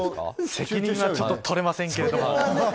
責任はちょっととれませんけども。